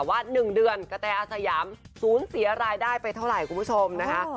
ว่า๑เดือนกะแตอาสยามสูญเสียรายได้ไปเท่าไหร่คุณผู้ชมนะคะ